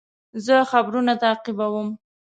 زه خبرونه تعقیبوم.